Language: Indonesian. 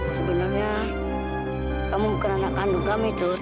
sebenarnya kamu bukan anak kandung kami tuh